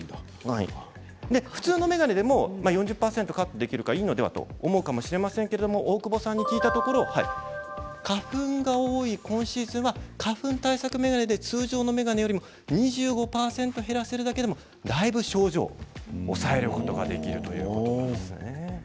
普通の眼鏡でも４０％カットできるのでいいのではと思うかもしれませんが大久保さんに聞いたところ花粉が多い今シーズンは花粉対策眼鏡で通常の眼鏡より２５％減らせるだけでもだいぶ症状を抑えることができるということなんですね。